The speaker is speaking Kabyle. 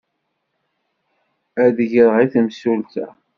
Ad ɣreɣ i temsulta.